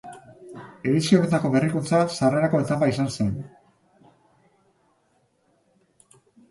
Edizio honetako berrikuntza sarrerako etapa izan zen.